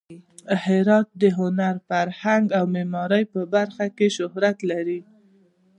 هرات د هنر، فرهنګ او معمارۍ په برخه کې شهرت لري.